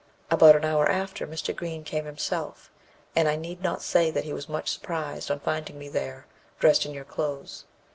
About an hour after, Mr. Green came himself, and I need not say that he was much surprised on finding me there, dressed in your clothes.